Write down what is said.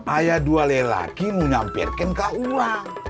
ayo dua kali lagi nyamperin ke orang